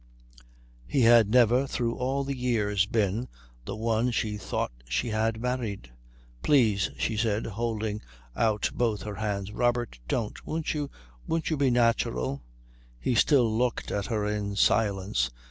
He had never, through all the years, been the one she thought she had married. "Please " she said, holding out both her hands, "Robert don't. Won't you won't you be natural?" He still looked at her in silence.